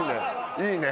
いいね！